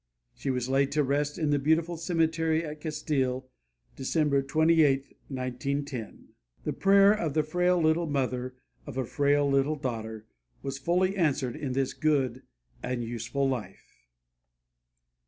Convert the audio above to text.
She was laid to rest in the beautiful cemetery at Castile, December 28, 1910. The prayer of the "frail little mother of a frail little daughter" was fully answered in this good and useful life.